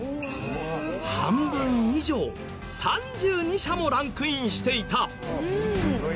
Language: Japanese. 半分以上３２社もランクインしていた。